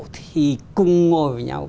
thì cùng ngồi với nhau